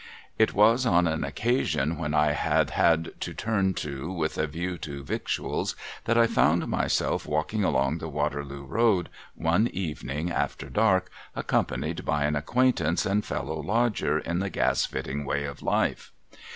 It was on an occasion when I had had to turn to with a view to victuals, that I found myself walking along the Waterloo Road, one evening after dark, accompanied by an acquaintance and fellow lodger in the gas fitting way of life.